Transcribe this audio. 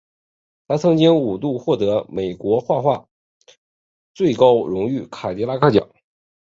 他曾经五度获得美国图画书最高荣誉凯迪克奖。